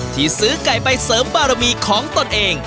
ที่ซื้อไก่ไปเสริมบารมีของตนเอง